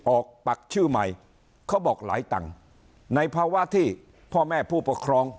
ปักชื่อใหม่เขาบอกหลายตังค์ในภาวะที่พ่อแม่ผู้ปกครอง